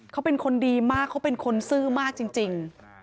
เขาเป็นคนดีมากเขาเป็นคนซื่อมากจริง